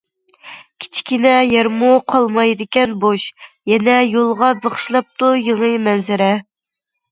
كىچىككىنە يەرمۇ قالمايدىكەن بوش، يەنە يولغا بېغىشلاپتۇ يېڭى مەنزىرە.